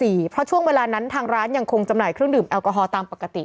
เพราะช่วงเวลานั้นทางร้านยังคงจำหน่ายเครื่องดื่มแอลกอฮอลตามปกติ